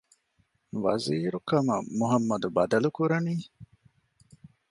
ވަޒީރުކަމަށް މުޙައްމަދު ބަދަލުކުރަނީ؟